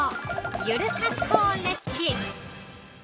ゆる発酵レシピ。